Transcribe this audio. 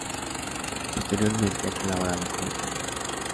Posteriormente ha colaborado con otros medios.